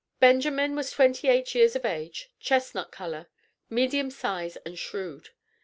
Benjamin was twenty eight years of age, chestnut color, medium size, and shrewd.